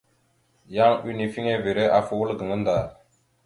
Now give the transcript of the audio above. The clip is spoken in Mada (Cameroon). Yan unifiŋere afa wal gaŋa ndar.